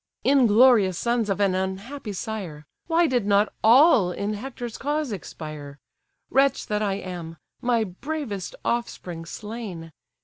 "Inglorious sons of an unhappy sire! Why did not all in Hector's cause expire? Wretch that I am! my bravest offspring slain.